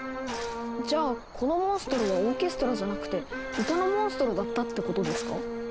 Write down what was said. じゃあこのモンストロはオーケストラじゃなくて歌のモンストロだったってことですか？